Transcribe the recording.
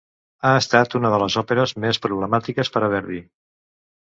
Ha estat una de les òperes més problemàtiques per a Verdi.